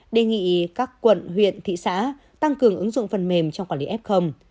đề nghị các quận huyện thị xã tăng cường ứng dụng phần mềm trong quản lý ép không